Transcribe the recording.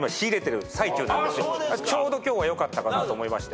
ちょうど今日はよかったかなと思いまして。